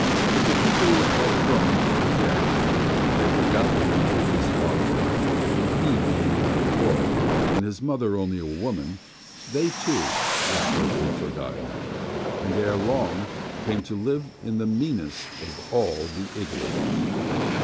But the people are prone to forget, and they forgot the deed of his father; and he being but a boy, and his mother only a woman, they, too, were swiftly forgotten, and ere long came to live in the meanest of all the igloos.